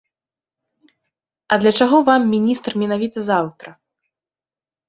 А для чаго вам міністр менавіта заўтра?